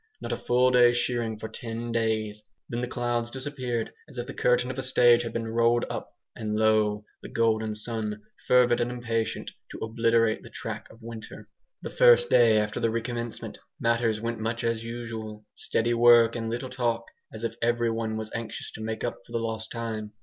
Not a full day's shearing for ten days. Then the clouds disappeared as if the curtain of a stage had been rolled up, and lo! the golden sun, fervid and impatient to obliterate the track of winter. The first day after the recommencement, matters went much as usual. Steady work and little talk, as if everyone was anxious to make up for the lost time.